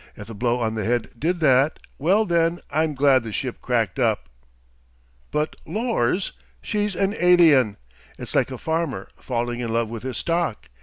If the blow on the head did that ... well then, I'm glad the ship cracked up." "But, Lors! She's an alien! It's like a farmer, falling in love with his stock!